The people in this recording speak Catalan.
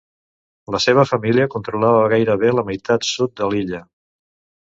La seva família controlava gairebé la meitat sud de l'illa.